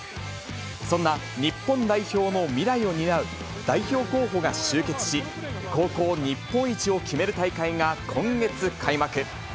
そんな日本代表の未来を担う代表候補が集結し、高校日本一を決める大会が今月開幕。